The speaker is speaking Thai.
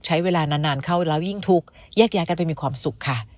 ใช้เวลานานเข้าแล้วยิ่งทุกข์แยกย้ายกันไปมีความสุขค่ะ